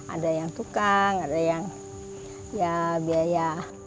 ada yang tukang ada yang ya biaya